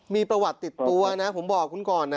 มีประวัติติดตัวนะผมบอกคุณก่อนนะ